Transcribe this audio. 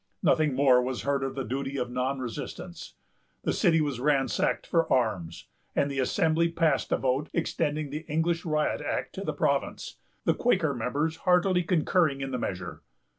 Nothing more was heard of the duty of non resistance. The city was ransacked for arms, and the Assembly passed a vote, extending the English riot act to the province, the Quaker members heartily concurring in the measure.